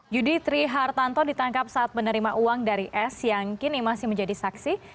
yudi trihartanto ditangkap saat menerima uang dari s yang kini masih menjadi saksi